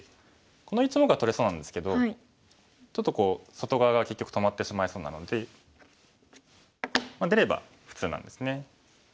この１目は取れそうなんですけどちょっと外側が結局止まってしまいそうなので出れば普通なんですね。